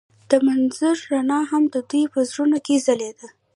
د منظر رڼا هم د دوی په زړونو کې ځلېده.